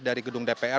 dari gedung dpr